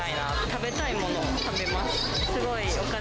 食べたいものを食べます。